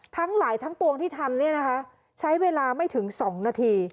ทั้งหลายทั้งปวงที่ทำเนี่ยนะคะใช้เวลาไม่ถึง๒นาที